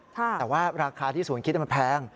แต่ว่าราคาที่ศูนย์คิดมันแพง